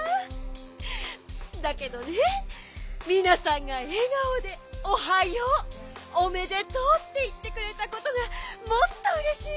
だけどねみなさんがえがおで「おはよう。おめでとう」っていってくれたことがもっとうれしいわ。